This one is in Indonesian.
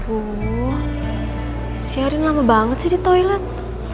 bu si arin lama banget sih di toilet